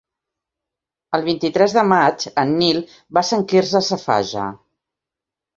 El vint-i-tres de maig en Nil va a Sant Quirze Safaja.